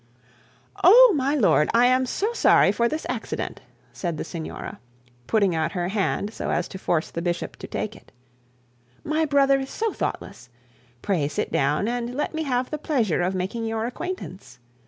'Oh, my lord, I am so sorry for this accident,' said the signora, putting out her hand so as to force the bishop to take it. 'My brother is so thoughtless. Pray sit down, and let me have the pleasure of making your acquaintance.